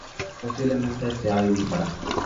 Posiblemente sea vivípara.